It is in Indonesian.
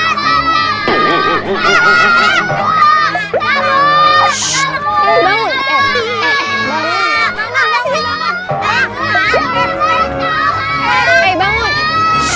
ini ustaz anwarul ya allah